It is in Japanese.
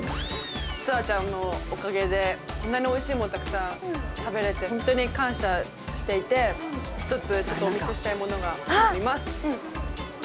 スアちゃんのおかげでこんなにおいしいものをたくさん食べられて本当に感謝していて１つちょっとお見せしたいものがあります。